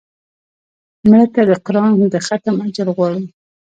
مړه ته د قرآن د ختم اجر غواړو